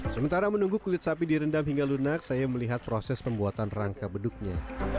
sementara menunggu kulit sapi direndam hingga lunak saya melihat proses pembuatan rangka beduknya